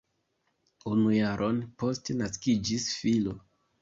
Unu jaron poste naskiĝis filo.